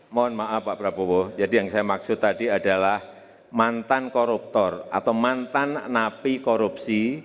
mohon maaf pak prabowo jadi yang saya maksud tadi adalah mantan koruptor atau mantan napi korupsi